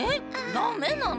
ダメなの？